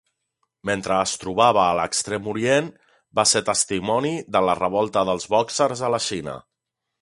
Mentre es trobava a l'Extrem Orient, va ser testimoni de la revolta dels bòxers a la Xina.